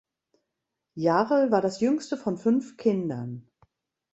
Jarl war das jüngste von fünf Kindern.